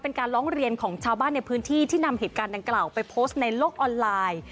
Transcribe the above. เป็นการร้องเรียนของชาวบ้านในพื้นที่ที่นำเหตุการณ์ดังกล่าวไปโพสต์ในโลกออนไลน์